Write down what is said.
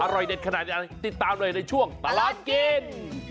อร่อยเด็ดขนาดไหนติดตามเลยในช่วงตลาดกิน